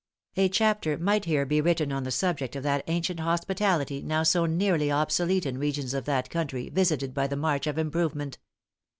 A chapter might here be written on the subject of that ancient hospitality now so nearly obsolete in regions of country visited by the march of improvement.